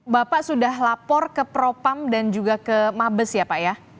bapak sudah lapor ke propam dan juga ke mabes ya pak ya